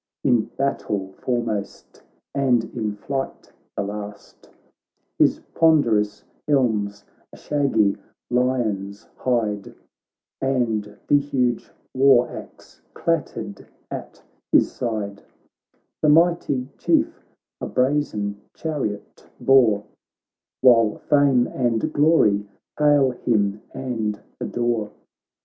In battle foremost, and in flight the last ; His ponderous helm's a shaggy lion's hide, And thehuge war axe clattered at his side; The mighty Chief a brazen chariot bore, While fame and glory hail himand adore.